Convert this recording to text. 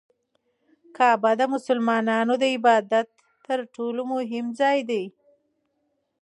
کعبه د مسلمانانو د عبادت تر ټولو مهم ځای دی.